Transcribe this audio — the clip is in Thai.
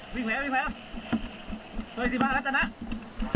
วิ่งไปแล้ววิ่งไปแล้วเฮ้ยสิบ้ารับจรรย์นะ